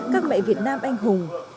các mẹ việt nam anh hùng